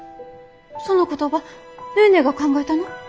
その言葉ネーネーが考えたの？